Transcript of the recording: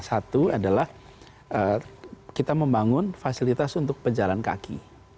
satu adalah kita membangun fasilitas untuk pejalan kaki